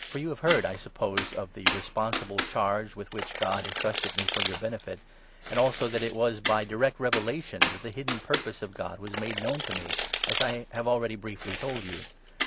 r .1 i i i to the church have heard, I suppose, of the responsible charge through the with which God entrusted me for your benefit, Apostle. ancj ajSQ tjlat jt wag by (j;rect revelation that 3 the hidden purpose of God was made known to me, as I have already briefly told you.